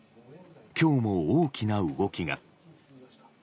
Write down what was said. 今日も大きな動きが。